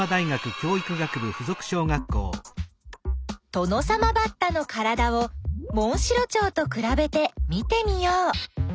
トノサマバッタのからだをモンシロチョウとくらべて見てみよう。